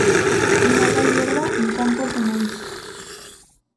Mala hierba en campos de maíz.